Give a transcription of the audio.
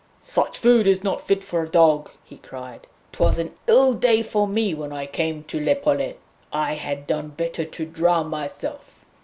'Such food is not fit for a dog!' he cried. ''Twas an ill day for me when I came to Le Pollet! I had done better to drown myself.'